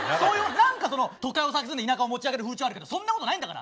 何かその都会を蔑んで田舎を持ち上げる風潮あるけどそんなことないんだから。